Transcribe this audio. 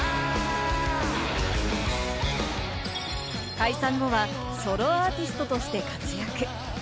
解散後はソロアーティストとして活躍。